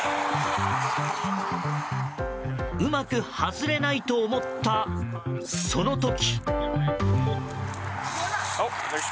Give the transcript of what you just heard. うまく外れないと思ったその時。